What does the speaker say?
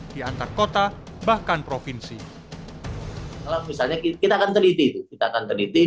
di antar kota bahkan provinsi